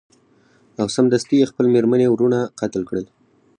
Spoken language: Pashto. او سمدستي یې خپل میرني وروڼه قتل کړل.